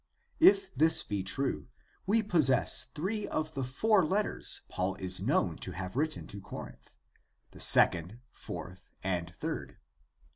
If this be true, we possess three of the four letters Paul is known to have written to Corinth — the second, fourth, and third.